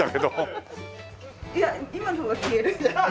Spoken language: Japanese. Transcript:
いや今の方が消えるんじゃ。